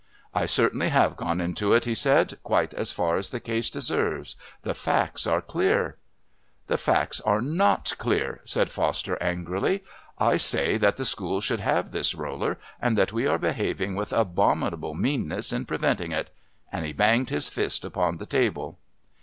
"I certainly have gone into it," he said, "quite as far as the case deserves. The facts are clear." "The facts are not clear," said Foster angrily. "I say that the School should have this roller and that we are behaving with abominable meanness in preventing it"; and he banged his fist upon the table.